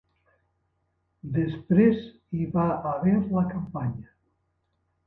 Després hi va haver la campanya.